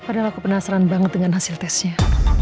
padahal aku penasaran banget dengan hasil tesnya